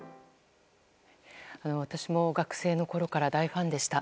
私も学生のころから大ファンでした。